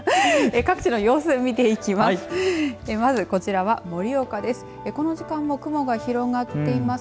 各地の様子、見ていきます。